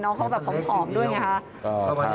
น้องเขาแบบผอมด้วยไงคะ